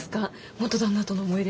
元旦那との思い出？